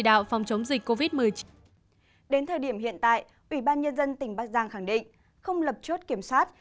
đến thời điểm hiện tại ubnd tỉnh bắc giang khẳng định không lập chốt kiểm soát